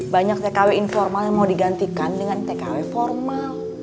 banyak tkw informal yang mau digantikan dengan tkw formal